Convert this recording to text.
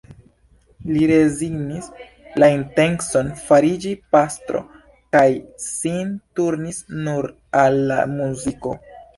Li rezignis la intencon fariĝi pastro kaj sin turnis nur al la muziko.